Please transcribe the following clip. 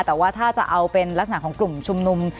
แต่ว่าถ้าจะเอาเป็นลักษณะของกลุ่มชุมนุม